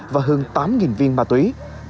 và hơn tám viên bà túy